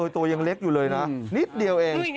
ตัวยังเล็กอยู่เลยนะนิดเดียวเอง